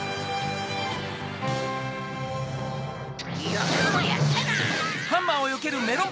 よくもやったな！